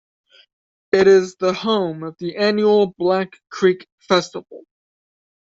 It is the home of the annual Black Creek Festival.